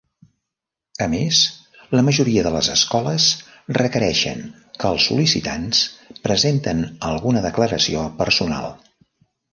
A més, la majoria de les escoles requereixen que els sol·licitants presenten alguna declaració personal.